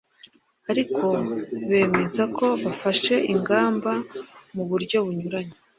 ariko bemeza ko bafashe ingamba mu buryo bunyuranye